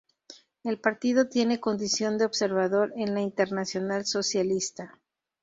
El partido tiene condición de observador en la Internacional Socialista.